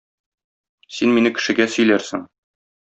Син мине кешегә сөйләрсең.